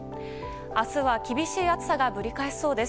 明日は厳しい暑さがぶり返しそうです。